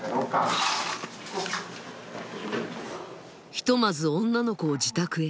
ひとまず女の子を自宅へ